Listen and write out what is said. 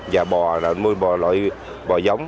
và bò là nuôi bò giống